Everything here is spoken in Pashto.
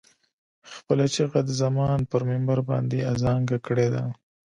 خپله چيغه د زمان پر منبر باندې اذانګه کړې ده.